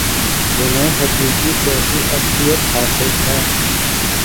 جنہیں حقیقی سیاسی عصبیت حاصل ہے